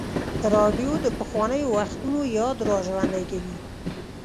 راډیو د پخوانیو وختونو یاد راژوندی کوي.